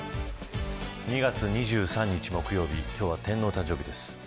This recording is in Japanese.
２月２３日、木曜日今日は天皇誕生日です。